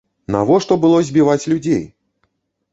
Навошта было збіваць людзей?